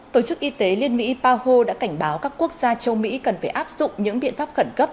tổ chức y tế liên mỹ paho đã cảnh báo các quốc gia châu mỹ cần phải áp dụng những biện pháp khẩn cấp